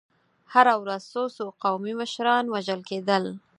هره ورځ څو څو قومي مشران وژل کېدل.